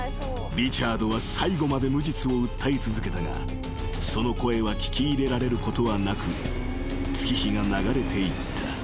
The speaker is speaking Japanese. ［リチャードは最後まで無実を訴え続けたがその声は聞き入れられることはなく月日が流れていった］